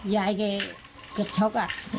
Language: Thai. ยายเกือบช็อกอ่ะ